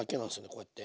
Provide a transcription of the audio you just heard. こうやって。